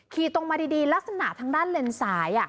ขี่ตรงมาดีลักษณะทางด้านเลนซ้าย